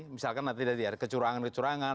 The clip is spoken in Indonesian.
misalkan nanti ada kecurangan kecurangan